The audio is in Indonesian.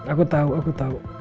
aku tahu aku tahu